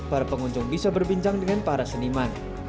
para pengunjung bisa berbincang dengan para seniman